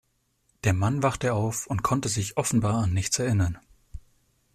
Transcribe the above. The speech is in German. Der Mann wachte auf und konnte sich offenbar an nichts erinnern.